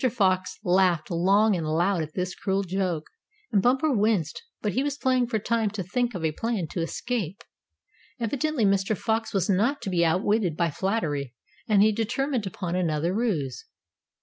Fox laughed long and loud at this cruel joke, and Bumper winced; but he was playing for time to think of a plan to escape. Evidently Mr. Fox was not to be outwitted by flattery, and he determined upon another ruse.